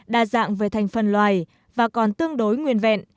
đa dạng về thành phần loài và còn tương đối nguyên vẹn